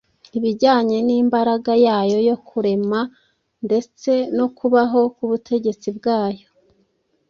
ibijyanye n’imbaraga yayo yo kurema ndetse no kubaho k’ubutegetsi bwayo